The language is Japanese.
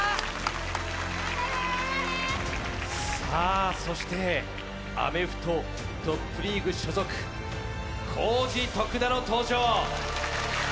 さあそしてアメフトトップリーグ所属コージ・トクダの登場